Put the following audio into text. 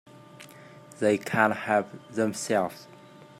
They can't help themselves.